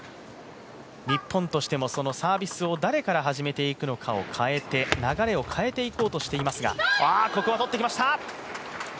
日本としてもサービスを誰から始めていくのかを変えて流れを変えていこうとしていますが。